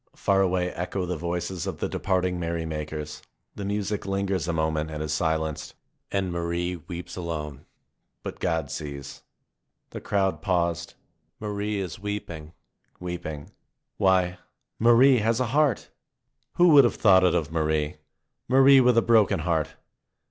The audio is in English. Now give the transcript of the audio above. Far away echo the voices of the departing merry makers. The music lingers a moment and is silenced. And Marie weeps alone. But God sees. The crowd paused. Marie is weeping, weeping. Why, Marie has a heart! Who would have thought it of Marie? Marie with a broken heart!